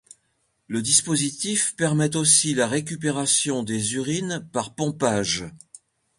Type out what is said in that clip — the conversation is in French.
Le dispositif permet aussi la récupération des urines par pompage.